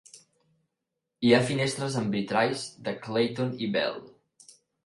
Hi ha finestres amb vitralls de Clayton i Bell.